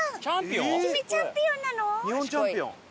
君チャンピオンなの？